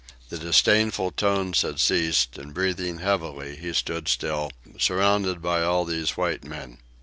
The disdainful tones had ceased, and, breathing heavily, he stood still, surrounded by all these white men.